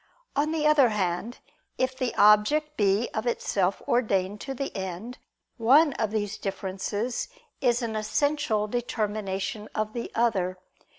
On the other hand, if the object be of itself ordained to the end, one of these differences is an essential determination of the other.